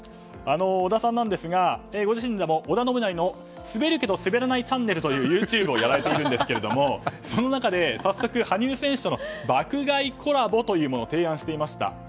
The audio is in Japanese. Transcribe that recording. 織田さんなんですがご自身でも「織田信成の滑るけどスベらないチャンネル」というＹｏｕＴｕｂｅをやられていますがその中で早速羽生選手との爆買いコラボを展開していました。